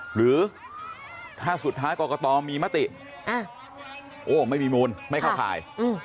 หรือถ้าสุดท้ายกรกตมีมติโอ้ไม่มีมูลไม่เข้าข่าย